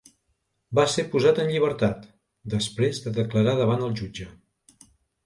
Va ser posat en llibertat, després de declarar davant el jutge.